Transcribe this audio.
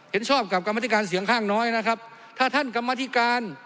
ชอบกับกรรมธิการเสียงข้างน้อยนะครับถ้าท่านกรรมธิการ